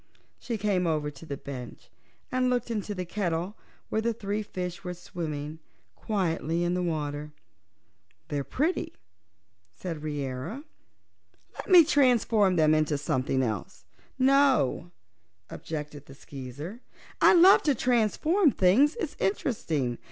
She came over to the bench and looked into the kettle, where the three fishes were swimming quietly in the water. "They're pretty," said Reera. "Let me transform them into something else." "No," objected the Skeezer. "I love to transform things; it's so interesting.